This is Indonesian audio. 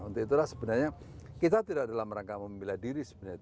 untuk itulah sebenarnya kita tidak dalam rangka membela diri sebenarnya